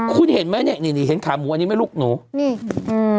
คุณเห็นไหมเนี่ยนี่นี่เห็นขาหมูอันนี้ไหมลูกหนูนี่อืม